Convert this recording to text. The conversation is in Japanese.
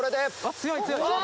強い強い。